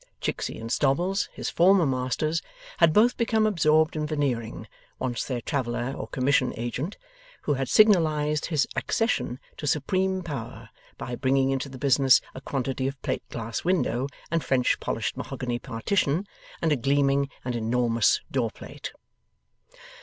Chicksey and Stobbles, his former masters, had both become absorbed in Veneering, once their traveller or commission agent: who had signalized his accession to supreme power by bringing into the business a quantity of plate glass window and French polished mahogany partition, and a gleaming and enormous doorplate.